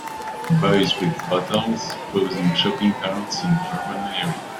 Boys with bottles pose in shopping carts in urban area.